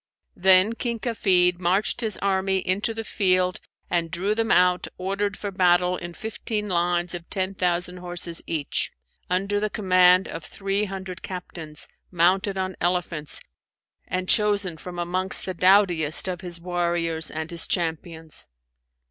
Then King Kafid marched his army into the field and drew them out ordered for battle in fifteen lines of ten thousand horses each, under the command of three hundred captains, mounted on elephants and chosen from amongst the doughtiest of his warriors and his champions.